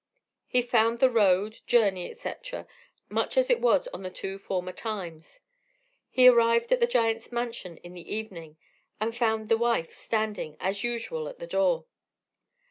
He found the road, journey, &c., much as it was on the two former times. He arrived at the giant's mansion in the evening, and found the wife standing, as usual, at the door.